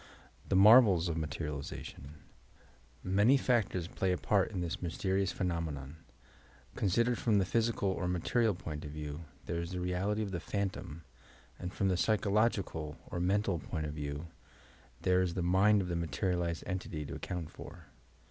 THE MARVELS OF MATERIALIZATION Many factors play a part in this mysterious phe nomenon. Considered from the physical or material point of view, there is the reality of the phantom, and from the psychological or mental point of view, there is the mind of the materialized entity to account for.